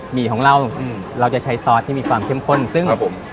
หี่ของเราอืมเราจะใช้ซอสที่มีความเข้มข้นซึ่งครับผม